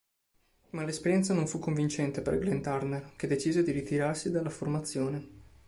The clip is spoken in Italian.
Ma l'esperienza non fu convincente per Glenn Turner che decise di ritirarsi dalla formazione.